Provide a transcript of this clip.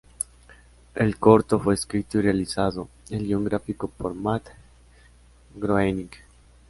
El corto fue escrito y realizado el guion gráfico por Matt Groening.